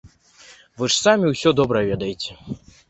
Вы ж самі ўсё добра ведаеце!